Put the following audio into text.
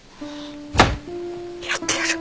やってやる